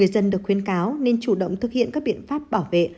dân được khuyến cáo nên chủ động thực hiện các biện pháp bảo vệ